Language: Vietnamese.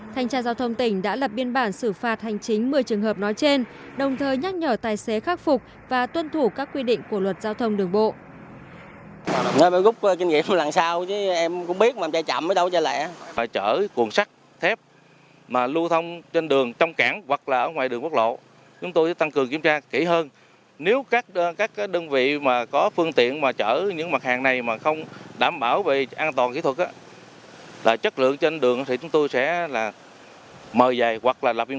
thanh tra giao thông tỉnh đã lập biên bản xử phạt hành chính một mươi trường hợp nói trên đồng thời nhắc nhở tài xế khắc phục và tuân thủ các quy định của luật giao thông đường bộ